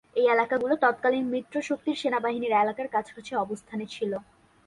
এই এলাকা গুলো তৎকালীন মিত্রশক্তির সেনাবাহিনীর এলাকার কাছাকাছি অবস্থানে ছিল।